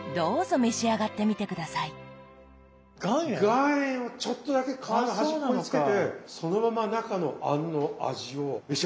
岩塩をちょっとだけ皮の端っこにつけてそのまま中の餡の味を召し上がって頂きたい。